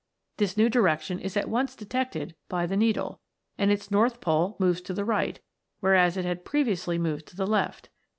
This new direction is at once detected by the needle, and its north pole moves to the right, whereas it had previously moved to the left.